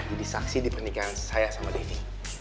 jadi saksi di pernikahan saya sama devi